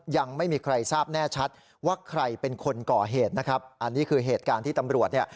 ยังไม่มีใครทราบแน่ชัดว่าใครเป็นคนก่อเหตุนะครับอันนี้คือเหตุการณ์ที่ตำรวจเนี่ย